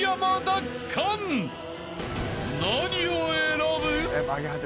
［何を選ぶ？］